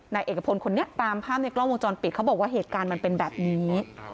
นายเอกพลคนนี้ตามภาพในกล้องวงจรปิดเขาบอกว่าเหตุการณ์มันเป็นแบบนี้